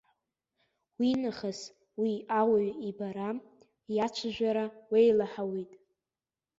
Уинахыс уи ауаҩ ибара, иацәажәара уеилаҳауеит.